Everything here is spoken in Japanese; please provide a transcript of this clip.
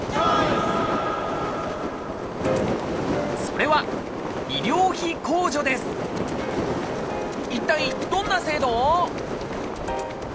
それは一体どんな制度？